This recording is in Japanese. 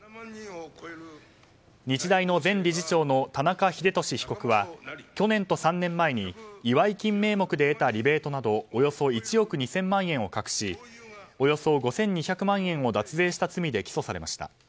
日大の前理事長の田中英寿被告は去年と３年前に祝い金名目で得たリベートなどおよそ１億２０００万円を隠しおよそ５２００万円を脱税した罪で起訴されました。